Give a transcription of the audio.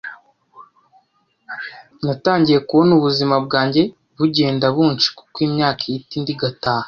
Natangiye kubona ubuzima bwanjye bugenda buncika uko imyaka ihita indi igataha,